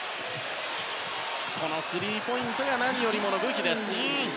このスリーポイントが何よりもの武器です。